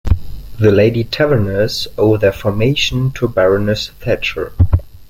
The Lady Taverners owe their formation to Baroness Thatcher.